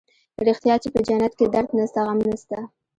رښتيا چې په جنت کښې درد نسته غم نسته.